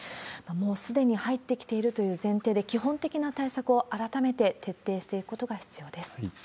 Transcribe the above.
もうすでに入ってきているという前提で、基本的な対策を改めて徹底していくことが必要です。